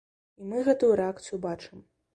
І мы гэтую рэакцыю бачым.